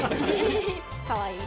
かわいい。